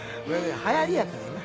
はやりやからな。